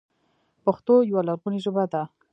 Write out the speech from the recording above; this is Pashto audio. پښتو یوه لرغونې ژبه ده.